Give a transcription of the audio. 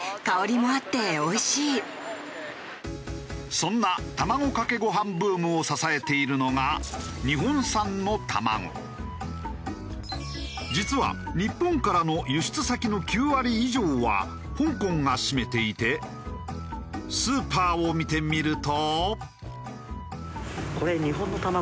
そんな卵かけご飯ブームを支えているのが実は日本からの輸出先の９割以上は香港が占めていてスーパーを見てみると。